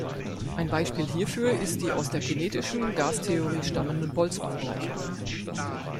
Ein Beispiel hierfür ist die aus der kinetischen Gastheorie stammende Boltzmann-Gleichung.